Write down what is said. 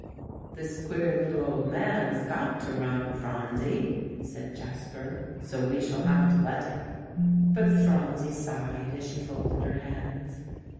] "This queer little old man has got to run, Phronsie," said Jasper, "so we shall have to let him." But Phronsie sighed as she folded her hands.